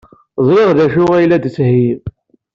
Ẓriɣ d acu ay la d-tettheyyimt.